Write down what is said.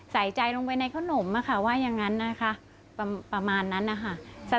ใส่ใจลงไปในขนมอะค่ะว่าอย่างนั้นนะคะประมาณนั้นนะคะ